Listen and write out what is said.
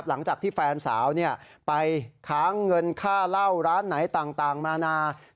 หลังจากที่แฟนสาวไปค้างเงินค่าเหล้าร้านไหนต่างนานา